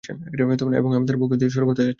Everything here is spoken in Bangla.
এবং আমি তোর বউকে দিয়ে, শুরু করতে যাচ্ছি!